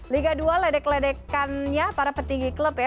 liga dua ledek ledekannya para petinggi klub ya